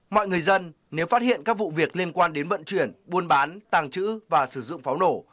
mọi người dân nếu phát hiện các vụ việc liên quan đến vận chuyển buôn bán tàng trữ và sử dụng pháo nổ